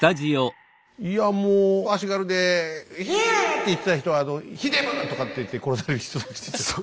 いやもう足軽で「ヒャー！」って言ってた人は「ひでぶっ！」とか言って殺される人たちでしょ？